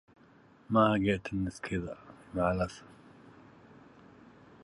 ليس شيء مما يدبره العاقل